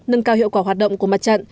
nâng cao hiệu quả hoạt động của mặt trận